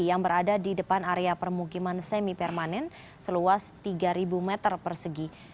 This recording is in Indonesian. yang berada di depan area permukiman semi permanen seluas tiga meter persegi